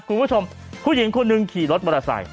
คุณผู้ชมผู้หญิงคนหนึ่งขี่รถมอเตอร์ไซค